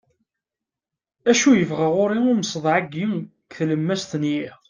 acu yebɣa ɣur-i umseḍḍeɛ-agi deg tlemmast n yiḍ